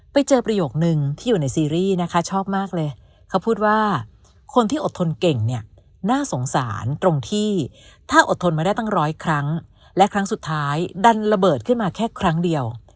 ประโยคนึงที่อยู่ในซีรีส์นะคะชอบมากเลยเขาพูดว่าคนที่อดทนเก่งเนี่ยน่าสงสารตรงที่ถ้าอดทนมาได้ตั้งร้อยครั้งและครั้งสุดท้ายดันระเบิดขึ้นมาแค่ครั้งเดียว